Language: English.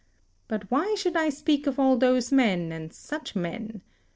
But why should I speak of all those men, and such men?